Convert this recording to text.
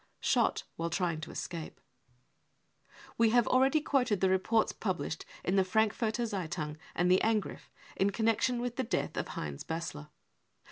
cc Shot while Trying to Escape." We have already quoted the reports published in the Frankfurter Zeitung and the Angriff in connection with the death of Heinz Bassler.